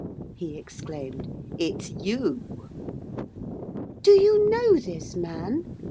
he exclaimed. 'It's you!' 'Do you know this man?